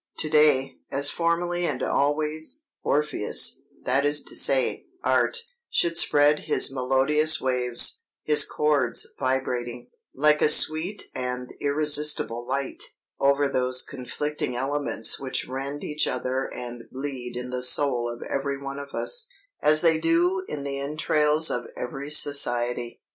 To day, as formerly and always, Orpheus, that is to say, Art, should spread his melodious waves, his chords vibrating, like a sweet and irresistible light, over those conflicting elements which rend each other and bleed in the soul of every one of us, as they do in the entrails of every society.